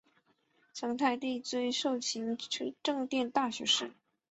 成泰帝追授勤政殿大学士。